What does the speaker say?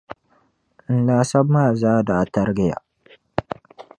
N laasabu maa zaa da tarigiya.